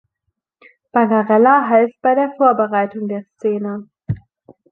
Bagarella half bei der Vorbereitung der Szene.